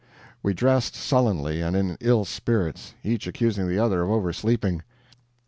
We dressed sullenly and in ill spirits, each accusing the other of oversleeping.